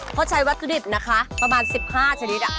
เพราะใช้วัตถุดิบนะคะประมาณ๑๕ชนิด